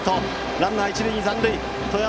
ランナー、一塁に残塁。